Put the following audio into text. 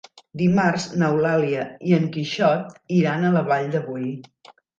Dimarts n'Eulàlia i en Quixot iran a la Vall de Boí.